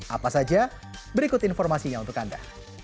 apa saja berikut informasinya untuk anda